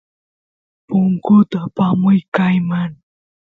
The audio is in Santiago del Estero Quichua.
punkut apamuy kayman